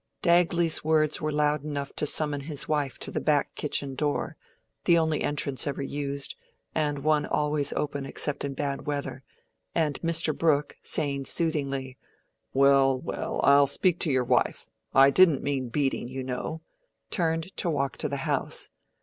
Dagley's words were loud enough to summon his wife to the back kitchen door—the only entrance ever used, and one always open except in bad weather—and Mr. Brooke, saying soothingly, "Well, well, I'll speak to your wife—I didn't mean beating, you know," turned to walk to the house.